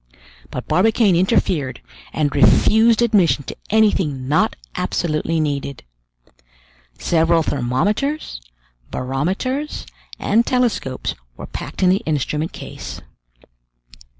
But Barbicane interfered and refused admission to anything not absolutely needed. Several thermometers, barometers, and telescopes were packed in the instrument case.